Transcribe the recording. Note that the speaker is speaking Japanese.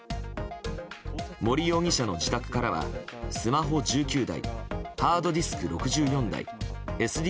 森容疑者の自宅からはスマホ１９台ハードディスク６４台ＳＤ